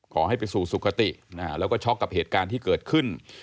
ขอให้ไปสู่สุขติแล้วก็ช็อกกับเหตุการณ์ที่เกิดขึ้น